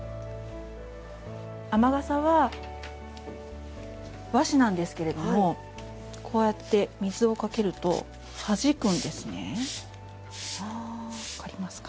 雨傘は和紙なんですけれどもこうやって水をかけるとはじくんですね。